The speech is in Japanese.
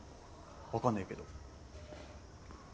わかんねえけど。